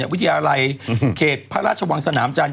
วิทยาลัยเขตพระราชวังสนามจันทร์